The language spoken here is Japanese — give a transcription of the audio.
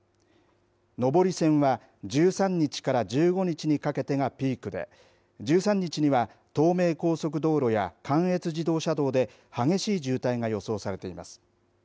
上り線は１３日から１５日にかけてがピークで１３日には、東名高速道路や関越自動車道で激しい渋滞が予想されています。